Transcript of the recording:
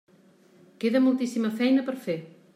Queda moltíssima feina per fer.